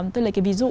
tôi lấy cái ví dụ